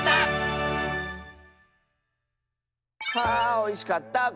あおいしかった。